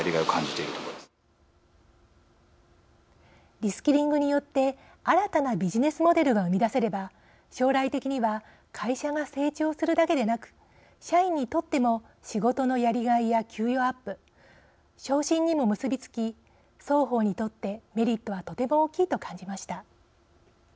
リスキリングによって新たなビジネスモデルが生み出せれば、将来的には会社が成長するだけでなく社員にとっても仕事のやりがいや給与アップ、昇進にも結び付き双方にとってメリットはとても大きいと感じました。